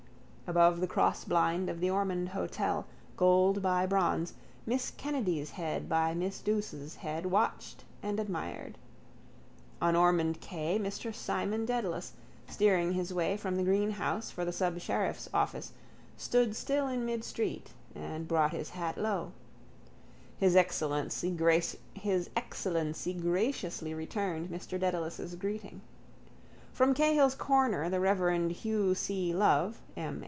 Above the crossblind of the Ormond hotel, gold by bronze, Miss Kennedy's head by Miss Douce's head watched and admired. On Ormond quay Mr Simon Dedalus, steering his way from the greenhouse for the subsheriff's office, stood still in midstreet and brought his hat low. His Excellency graciously returned Mr Dedalus' greeting. From Cahill's corner the reverend Hugh C. Love, M.